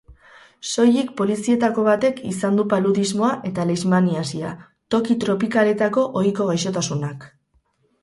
Soilik polizietako batek izan du paludismoa eta leishmaniasia, toki tropikaletako ohiko gaixotasunak.